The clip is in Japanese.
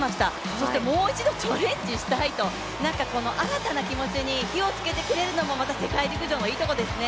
そしてもう一度チャレンジしたいと、この新たな気持ちに火をつけてくれるのも世界陸上のいいところですね。